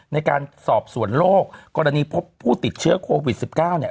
ในการสอบส่วนโรคกรณีพบผู้ติดเชื้อโควิด๑๙เนี่ย